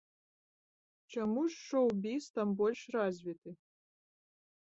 Чаму ж шоў-біз там больш развіты?